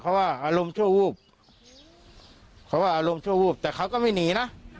เพราะว่าอารมณ์ชั่ววูบเขาว่าอารมณ์ชั่ววูบแต่เขาก็ไม่หนีนะ